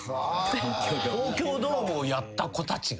東京ドームをやった子たちが？